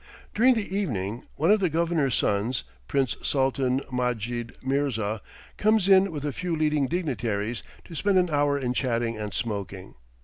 During the evening one of the Governor's sons, Prince Sultan Madjid Mirza, comes in with a few leading dignitaries to spend an hour in chatting and smoking.